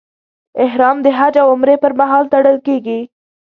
احرام د حج او عمرې پر مهال تړل کېږي.